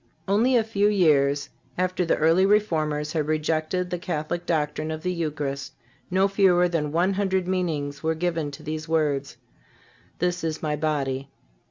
Only a few years after the early Reformers had rejected the Catholic doctrine of the Eucharist no fewer than one hundred meanings were given to these words: "This is My body."